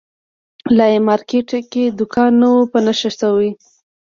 لا یې مارکېټ کې دوکان نه وو په نښه شوی.